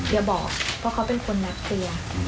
อย่าบอกเพราะเขาเป็นคนนัดเคลียร์